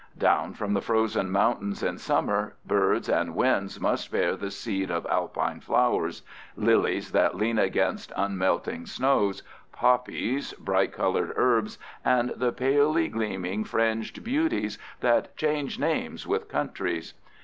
Down from the frozen mountains, in summer, birds and winds must bear the seed of alpine flowers—lilies that lean against unmelting snows, poppies, bright colored herbs, and the palely gleaming, fringed beauties that change names with countries.